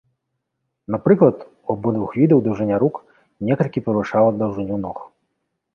Напрыклад, у абодвух відаў даўжыня рук некалькі перавышала даўжыню ног.